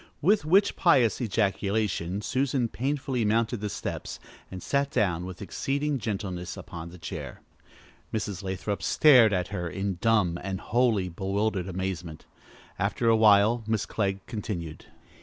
with which pious ejaculation Susan painfully mounted the steps and sat down with exceeding gentleness upon a chair. Mrs. Lathrop stared at her in dumb and wholly bewildered amazement. After a while Miss Clegg continued.